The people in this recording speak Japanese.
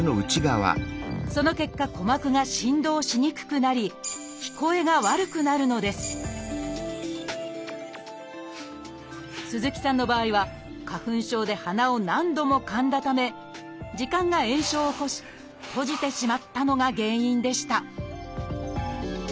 その結果鼓膜が振動しにくくなり聞こえが悪くなるのです鈴木さんの場合は花粉症で鼻を何度もかんだため耳管が炎症を起こし閉じてしまったのが原因でした